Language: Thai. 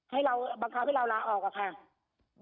ให้เราบังคับให้เราลาออกอะค่ะ